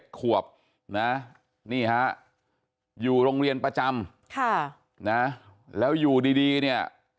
นะนี่ฮะอยู่โรงเรียนประจำค่ะนะแล้วอยู่ดีเนี่ย